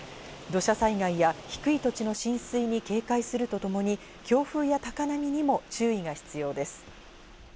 土砂災害や低い土地の浸水に警戒するとともに、強風や高波にも注意が必要です。